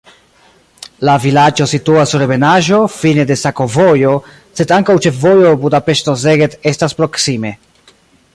La vilaĝo situas sur ebenaĵo, fine de sakovojo, sed ankaŭ ĉefvojo Budapeŝto-Szeged estas proksime.